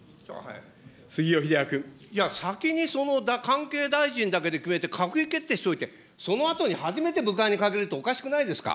いや、先に、その関係大臣だけで決めて、閣議決定しておいて、そのあとに初めて部会にかけるっておかしくないですか。